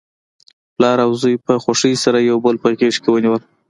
پلار او زوی په خوښۍ سره یو بل په غیږ کې ونیول.